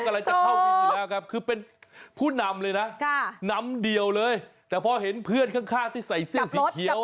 กำลังจะเข้าวินอยู่แล้วครับคือเป็นผู้นำเลยนะนำเดี่ยวเลยแต่พอเห็นเพื่อนข้างที่ใส่เสื้อสีเขียว